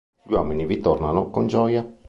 Gli uomini vi tornano con gioia.